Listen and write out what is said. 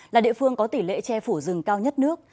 là địa phương có tỷ lệ che phủ rừng cao nhất nước